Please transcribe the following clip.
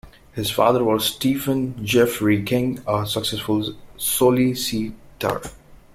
His father was Stephen Geoffrey King, a successful solicitor.